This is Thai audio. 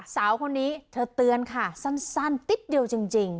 สาวคนนี้เธอเตือนค่ะสั้นนิดเดียวจริง